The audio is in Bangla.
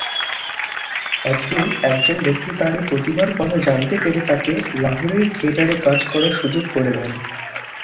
একদিন একজন ব্যক্তি তার এই প্রতিভার কথা জানতে পেরে তাকে লাহোরের থিয়েটারে কাজ করার সুযোগ করে দেন।